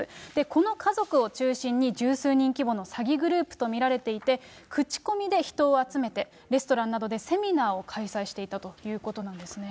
この家族を中心に十数人規模の詐欺グループと見られていて、口コミで人を集めて、レストランなどでセミナーを開催していたということなんですね。